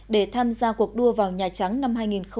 để tham gia cuộc đua vào nhà trắng năm hai nghìn hai mươi